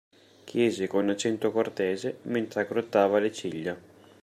Chiese con accento cortese, mentre aggrottava le ciglia.